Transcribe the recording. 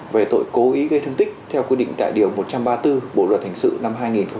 về tội cố ý gây thương tích theo quy định tại điều một trăm ba mươi bốn bộ luật hình sự năm hai nghìn một mươi năm